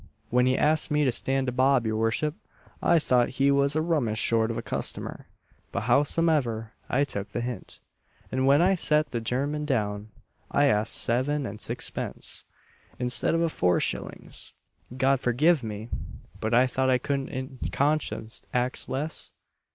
When he ax'd me to stand a bob, your worship, I thought he was a rummish sort of a customer, but howsomever I took the hint; and when I set the gemman down I ax'd seven and sixpence, instead of a four shillings, God forgive me! But I thought I couldn't in conscience ax less?"